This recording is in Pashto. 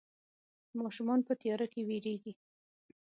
ماشومان په تياره کې ويرېږي.